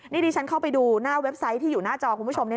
นี่ดิฉันเข้าไปดูหน้าเว็บไซต์ที่อยู่หน้าจอคุณผู้ชม